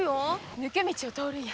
抜け道を通るんや。